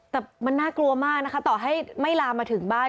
แต่มันน่ากลัวมากนะคะต่อให้ไม่ลามมาถึงบ้าน